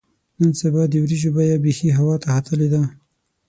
نن سبا د وریجو بیه بیخي هوا ته ختلې ده.